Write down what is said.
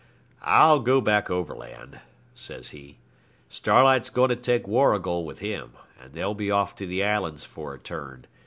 'I'll go back overland,' says he. 'Starlight's going to take Warrigal with him, and they'll be off to the islands for a turn.